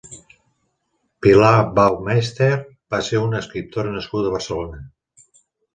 Pilar Baumeister va ser una escriptora nascuda a Barcelona.